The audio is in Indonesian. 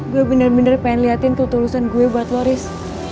gue bener bener pengen liatin ketulusan gue buat loris